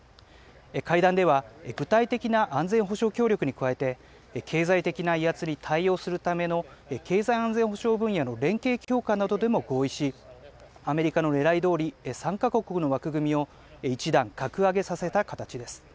会談では、具体的な安全保障協力に加えて、経済的な威圧に対応するための経済安全保障分野の連携強化などでも合意し、アメリカのねらいどおり、３か国の枠組みを一段格上げさせた形です。